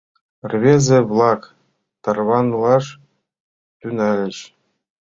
Рвезе-влак тарванылаш тӱҥальыч.